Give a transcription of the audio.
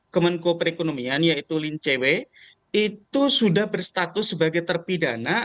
kemenko perekonomian yaitu lin cw itu sudah berstatus sebagai terpidana